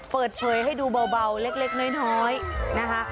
เปิดเผยให้ดูเบาเล็กน้อยนะคะ